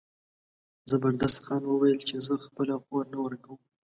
زبردست خان وویل چې زه خپله خور نه ورکوم.